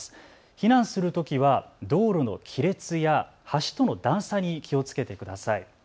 避難するときは道路の亀裂や橋との段差に気をつけてください。